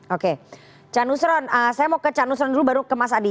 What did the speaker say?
oke ca nusron saya mau ke ca nusron dulu baru ke mas adi